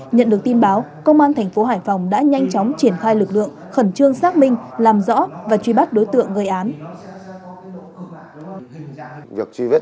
nhận được tin báo công an thành phố hải phòng đã nhanh chóng triển khai lực lượng khẩn trương xác minh làm rõ và truy bắt đối tượng gây án